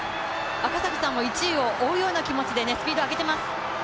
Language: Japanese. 赤崎さんも１位を追うような形でスピードを上げています。